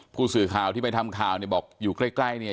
ผู้สื่อข่าวที่ไปทำข่าวเนี่ยบอกอยู่ใกล้เนี่ย